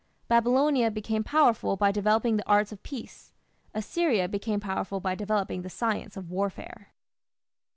Babylonia became powerful by developing the arts of peace; Assyria became powerful by developing the science of warfare.